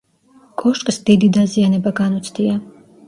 კოშკს დიდი დაზიანება განუცდია.